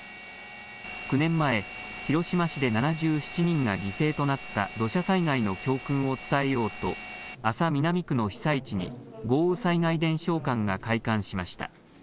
９年前、広島市で７７人が犠牲となった土砂災害の教訓を伝えようと安佐南区の被災地に豪雨災害伝承館が開館しました。